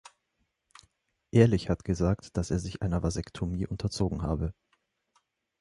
Ehrlich hat gesagt, dass er sich einer Vasektomie unterzogen habe.